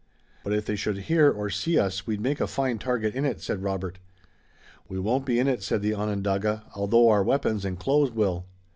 "But if they should hear or see us we'd make a fine target in it," said Robert. "We won't be in it," said the Onondaga, "although our weapons and clothes will."